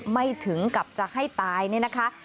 ไม่ถึงกับจะให้ตายเนี่ยนะคะ